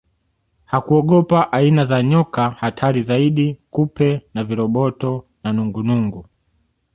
Hakuogopa aina za nyoka hatari zaidi kupe na viroboto na nungunungu